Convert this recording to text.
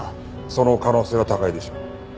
その可能性は高いでしょう。